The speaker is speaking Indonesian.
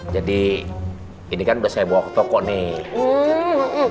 jadi ini kan udah saya bawa ke toko nih